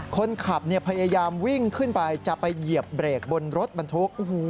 คนขับพยายามวิ่งขึ้นไปจะไปเหยียบเบรกบนรถบรรทุก